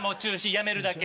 やめるだけ。